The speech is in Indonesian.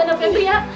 ada mana pebri ya